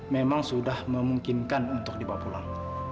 memang sudah memungkinkan untuk dibawa pulang